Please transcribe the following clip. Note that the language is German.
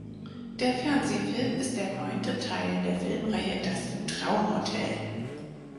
Der Fernsehfilm ist der neunte Teil der Filmreihe "Das Traumhotel".